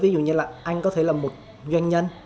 ví dụ như là anh có thể là một doanh nhân